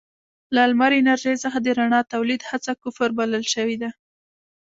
له لمر انرژۍ څخه د رڼا تولید هڅه کفر بلل شوې ده.